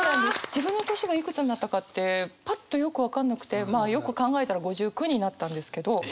自分の年がいくつになったかってパッとよく分かんなくてまあよく考えたら５９になったんですけど。